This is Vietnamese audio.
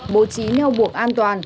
bố trí nheo buộc an toàn